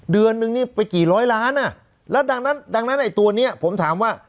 เดือนนึงนี่ไปกี่ร้อยล้านอ่ะแล้วดังนั้นดังนั้นไอ้ตัวนี้ผมถามว่า